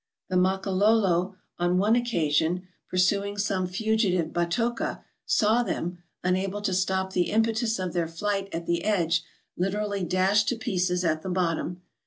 The Makololo DAVID LIVINGSTONE AFRICA 389 on one occasion, pursuing some fugitive Batoka, saw them, unable to stop the impetus of their flight at the edge, lit erally dashed to pieces at the bottom.